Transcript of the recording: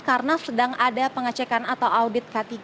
karena sedang ada pengecekan atau audit k tiga